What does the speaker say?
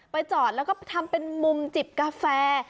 จอดแล้วก็ทำเป็นมุมจิบกาแฟ